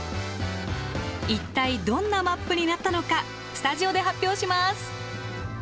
一体どんなマップになったのかスタジオで発表します。